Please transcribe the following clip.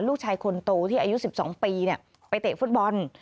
ลูกชายคนโตที่อายุ๑๒ปีไปเตะฟุตบอล